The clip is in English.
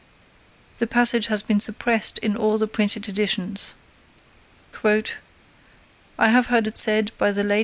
The passage has been suppressed in all the printed editions: "I have heard it said by the late M.